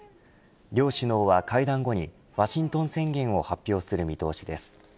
両首脳は会談後にワシントン宣言を発表する見通しです。